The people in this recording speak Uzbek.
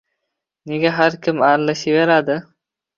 Nega har kim aralashaveradi?